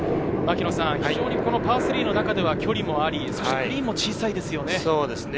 非常にパー３の中では距離もあり、グリーンも小さいですよね。